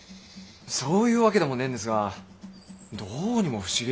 そういうわけでもねえんですがどうにも不思議で。